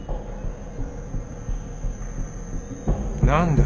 何だ？